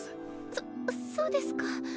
そそうですか。